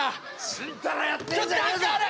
ちんたらやってんじゃねえぞ！